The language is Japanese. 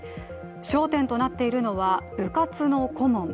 焦点となっているのは、部活の顧問。